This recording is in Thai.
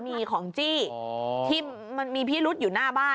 นี่ไงเขาเคยจะมาขอดูพระฉัน